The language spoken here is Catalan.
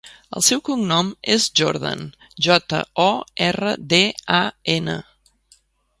El seu cognom és Jordan: jota, o, erra, de, a, ena.